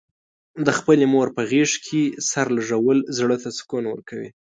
د خپلې مور په غېږه کې سر لږول، زړه ته سکون ورکوي.